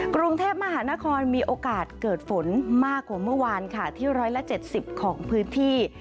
กรุงเทพมหานครมีโอกาสเกิดฝนมากกว่าเมื่อวานค่ะที่๑๗๐ของพื้นที่